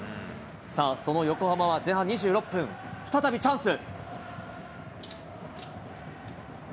その横浜は前半２６分、再びチャンス。